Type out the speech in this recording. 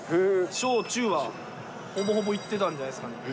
小中は、ほぼほぼ行ってたんじゃないですかね。